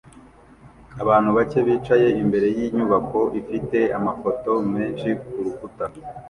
Abantu bake bicaye imbere yinyubako ifite amafoto menshi kurukuta